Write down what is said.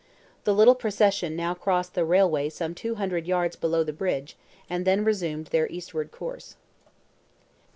The little procession now crossed the railway some two hundred yards below the bridge, and then resumed their eastward course.